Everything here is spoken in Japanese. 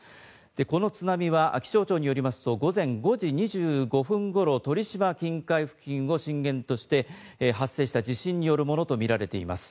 この津波は気象庁によりますと午前５時２５分頃鳥島近海付近を震源として発生した地震によるものとみられています。